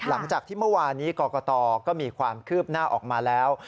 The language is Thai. หลังจากที่เมื่อวานี้กรกตก็มีความคืบหน้าออกมาแล้ว